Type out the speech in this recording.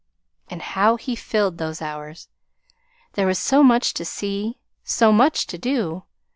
And how full he filled those hours! There was so much to see, so much to do.